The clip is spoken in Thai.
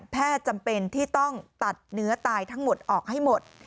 จำเป็นที่ต้องตัดเนื้อตายทั้งหมดออกให้หมด